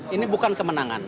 ini bukan kemenangan